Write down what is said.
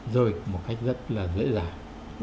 rơi một cách rất là dễ dàng